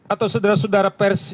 atau saudara saudara pers